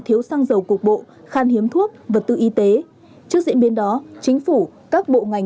thiếu xăng dầu cục bộ khan hiếm thuốc vật tư y tế trước diễn biến đó chính phủ các bộ ngành